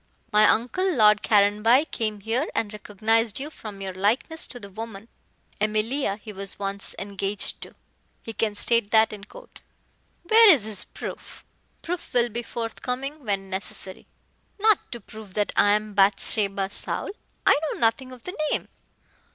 My uncle Lord Caranby came here and recognized you from your likeness to the woman Emilia he was once engaged to. He can state that in court." "Where is his proof?" "Proof will be forthcoming when necessary." "Not to prove that I am Bathsheba Saul. I know nothing of the name."